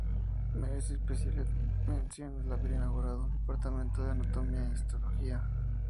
Merece especial mención el haber inaugurado un departamento de Anatomía Histológica.